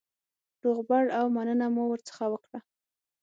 روغبړ او مننه مو ورڅخه وکړه.